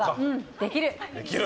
できる！